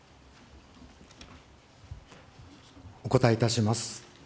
お答えいたします。